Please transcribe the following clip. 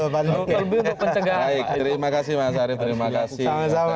baik terima kasih mas arief terima kasih pak ansar